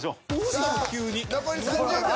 さあ残り３０秒。